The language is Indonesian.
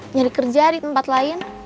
nyari kerja di tempat lain